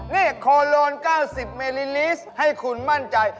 นี่โคโลน๙๐เมลิลิสต์ให้คุณมั่นใจ